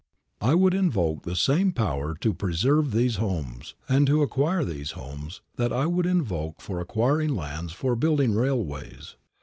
I would invoke the same power to preserve these homes, and to acquire these homes, that I would invoke for acquiring lands for building railways.